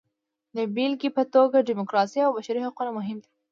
د بېلګې په توګه ډیموکراسي او بشري حقونه مهم دي.